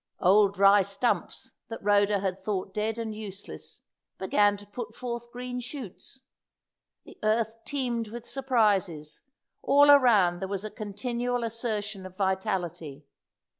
Old dry stumps, that Rhoda had thought dead and useless, began to put forth green shoots. The earth teemed with surprises; all around there was a continual assertion of vitality.